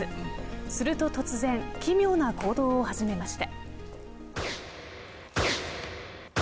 すると突然奇妙な行動を始めました。